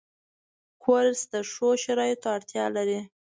کورس د ښو شرایطو اړتیا لري.